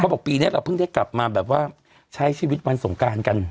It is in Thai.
บอกปีนี้เราเพิ่งได้กลับมาแบบว่าใช้ชีวิตวันสงการกัน